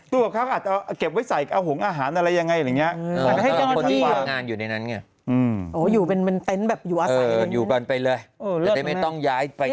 ตู้กับข้าวเก็บไว้ใส่หงอาหารอะไรยังไง